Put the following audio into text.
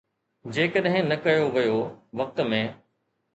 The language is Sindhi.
جيڪڏهن نه ڪيو ويو، وقت ۾